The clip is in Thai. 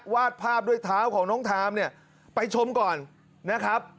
วาดภาพด้วยเท้าของน้องทามเนี่ยไปชมก่อนนะครับ